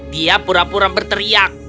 dia pura pura berteriak